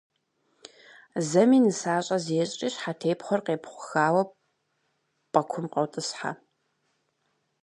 Зэми нысащӏэ зещӏри щхьэтепхъуэр къепхъухауэ пӏэкум къотӏысхьэ.